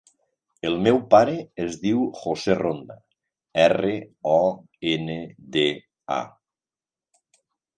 El meu pare es diu José Ronda: erra, o, ena, de, a.